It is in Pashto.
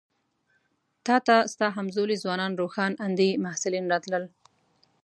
تا ته ستا همزولي ځوانان روښان اندي محصلین راتلل.